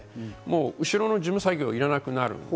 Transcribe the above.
後ろの事務作業がいらなくなる。